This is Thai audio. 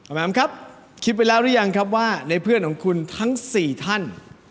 แมมครับคิดไว้แล้วหรือยังครับว่าในเพื่อนของคุณทั้ง๔ท่าน